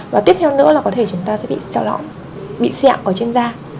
và tiếp theo nữa là có thể chúng ta sẽ bị sẹo lõng bị xẹo ở trên da